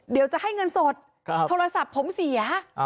เดี๋ยวจะให้เงินสดโทรศัพท์ผมเสีย